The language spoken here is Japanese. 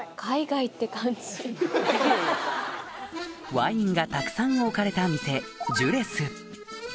ワインがたくさん置かれた店